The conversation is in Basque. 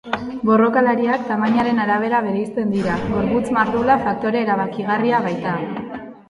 Borrokalariak tamainaren arabera bereizten dira, gorputz mardula faktore erabakigarria baita.